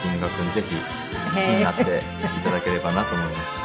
ぜひ好きになって頂ければなと思います。